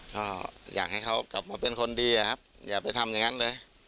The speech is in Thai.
ก็อยากให้เขากลับมาเป็นคนดีอะครับอย่าไปทำอย่างนั้นเลย